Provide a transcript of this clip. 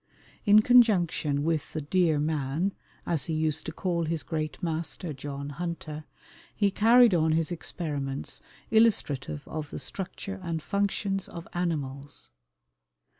In conjunction with the "dear man," as he used to call his great master, John Hunter, he carried on his experiments illustrative of the structure and functions of animals.